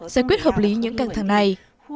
giải quyết hợp lý những căng thẳng này